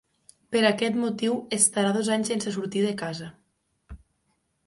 Per aquest motiu, estarà dos anys sense sortir de casa.